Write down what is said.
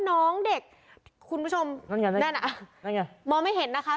หรือคุณผู้ชมโม้ไม่เห็นนะค่ะ